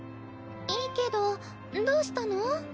いいけどどうしたの？